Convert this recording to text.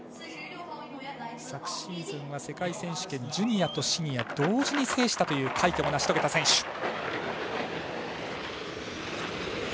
昨シーズンは世界選手権ジュニアとシニア、同時に制したという快挙を成し遂げた選手。